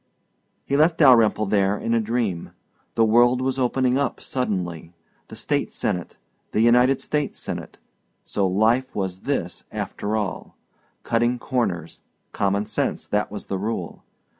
He left Dalyrimple there in a dream. The world was opening up suddenly The State Senate, the United States Senate so life was this after all cutting corners common sense, that was the rule.